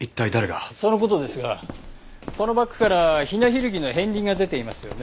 その事ですがこのバッグからヒナヒルギの片鱗が出ていますよね。